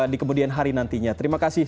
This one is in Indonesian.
di kemudian hari nantinya terima kasih